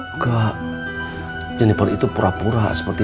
enggak jeniper itu pura pura seperti